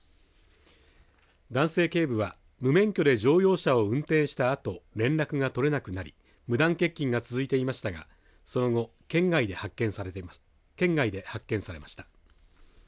男性警部は無免許で乗用車を運転したあと連絡が取れなくなり無断欠勤が続いていましたがその後、県外で発見されました。